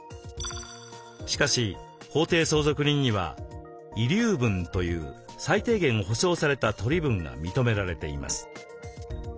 しかし法定相続人には「遺留分」という最低限保証された取り分が認められています。